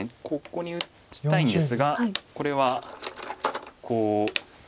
ここに打ちたいんですがこれはこう。